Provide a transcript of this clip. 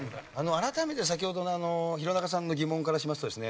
改めて先ほどの弘中さんの疑問からしますとですね